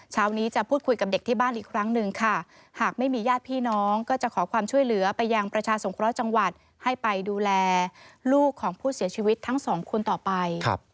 เช้านี้จะพูดคุยกับเด็กที่บ้านอีกครั้งหนึ่งค่ะหากไม่มีญาติพี่น้องก็จะขอความช่วยเหลือไปยังประชาสงเคราะห์จังหวัดให้ไปดูแลลูกของผู้เสียชีวิตทั้งสองคนต่อไป